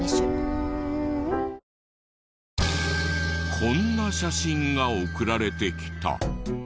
こんな写真が送られてきた。